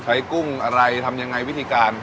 กุ้งอะไรทำยังไงวิธีการ